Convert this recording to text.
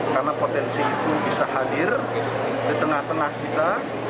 karena potensi itu bisa hadir di tengah tengah kita